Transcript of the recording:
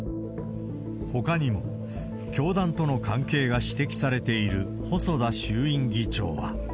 ほかにも、教団との関係が指摘されている細田衆院議長は。